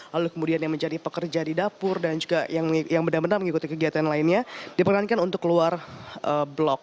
lalu kemudian yang menjadi pekerja di dapur dan juga yang benar benar mengikuti kegiatan lainnya diperankan untuk keluar blok